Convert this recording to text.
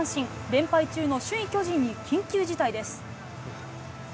連敗中の首位巨人に緊急事態です。